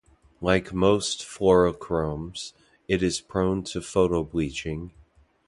Like most fluorochromes, it is prone to photobleaching.